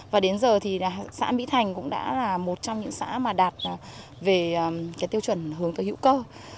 và đến giờ thì xã mỹ thành cũng đã là một trong những xã mà đạt về cái tiêu chuẩn hướng tới hữu cơ